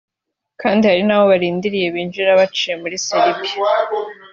kandi hari n'abo barindiriye binjira baciye muri Serbia